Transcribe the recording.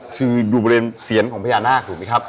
คือดูบริเวณเซียนของพญานาคถูกมั้ยครับ